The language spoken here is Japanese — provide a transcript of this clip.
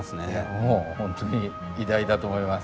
もう本当に偉大だと思います。